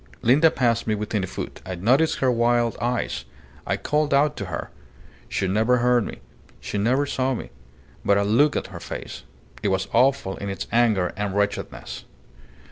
Linda passed me within a foot. I noticed her wild eyes. I called out to her. She never heard me. She never saw me. But I looked at her face. It was awful in its anger and wretchedness."